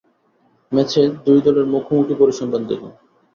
ম্যাচে দুই দলের মুখোমুখি পরিসংখ্যান দেখুন।